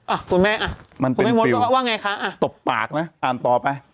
อ้าวคุณแม่มันเป็นฟิลล์เตรียมตอบตากนะอ่านต่อไป